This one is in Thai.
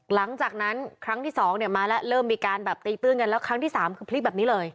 หลังจากนั้นครั้งที่สองเนี่ยมาแล้วเริ่มมีการแบบตีตื้นกันแล้วครั้งที่สามคือพลิกแบบนี้เลย